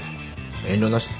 遠慮なしだ。